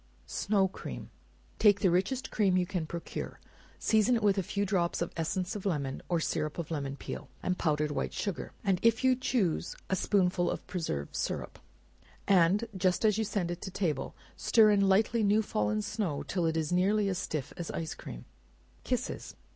Snow Cream. Take the richest cream you can procure, season it with a few drops of essence of lemon, or syrup of lemon peel, and powdered white sugar, and if you choose a spoonful of preserve syrup, and just as you send it to table, stir in light newly fallen snow till it is nearly as stiff as ice cream. Kisses.